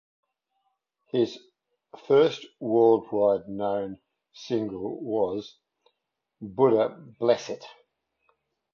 His first worldwide known single was "Buddha blessed it".